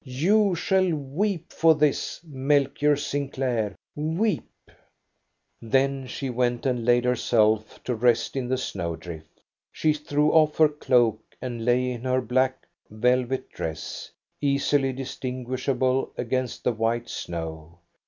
You shall weep for this, Melchior Sinclair, weep !" Then she went and laid herself to rest in the snow drift. She threw off her cloak and lay in her black vel vet dress, easily distinguishable against the white snow.